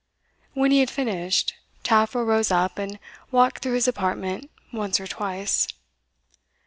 When he had finished, Taffril rose up and walked through his apartment once or twice.